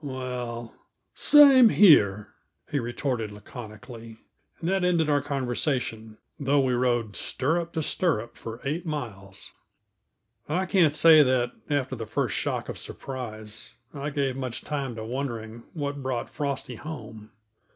"Well, same here," he retorted laconically; and that ended our conversation, though we rode stirrup to stirrup for eight miles. I can't say that, after the first shock of surprise, I gave much time to wondering what brought Frosty home.